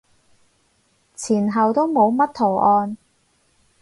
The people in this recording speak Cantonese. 前後都冇乜圖案